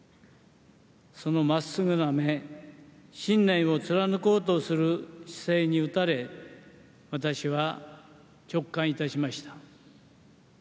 その真っすぐな目信念を貫こうとする姿勢に打たれ私は直感いたしました。